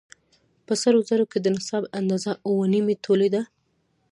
په سرو زرو کې د نصاب اندازه اووه نيمې تولې ده